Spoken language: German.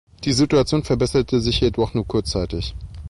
Die Situation verbesserte sich jedoch nur kurzzeitig.